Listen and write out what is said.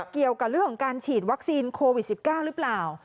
เกี่ยวกับเรื่องของการฉีดวัคซีนโควิด๑๙หรือเปล่า